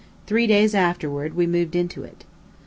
Three days afterward we moved into it.